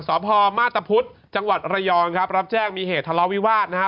สพมาตรพุทธจังหวัดระยองครับรับแจ้งมีเหตุทะเลาวิวาสนะฮะ